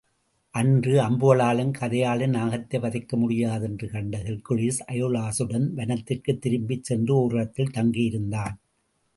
அன்று அம்புகளாலும் கதையாலும் நாகத்தை வதைக்க முடியாதென்று கண்ட ஹெர்க்குலிஸ், அயோலஸுடன் வனத்திற்குத் திரும்பிச் சென்று, ஓரிடத்தில் தங்கியிருந்தான்.